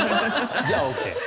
じゃあＯＫ？